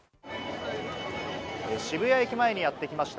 渋谷駅前にやってきました。